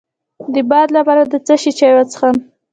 د باد لپاره د څه شي چای وڅښم؟